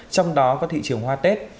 trong đó có thị trường hoa tết